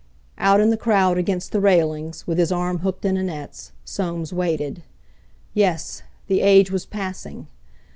Out in the crowd against the railings, with his arm hooked in Annette's, Soames waited. Yes! the Age was passing!